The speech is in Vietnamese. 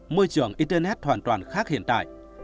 môi trường internet hoàn toàn khác hiện tại